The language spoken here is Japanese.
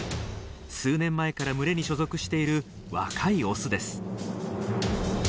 数年前から群れに所属している若いオスです。